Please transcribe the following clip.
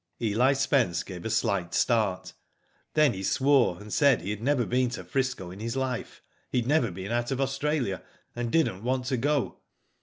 Eli Spence gave a slight start, then he swore, and said he had never been to 'Frisco in his life. He'd never been out of Australia, and didn't want to go."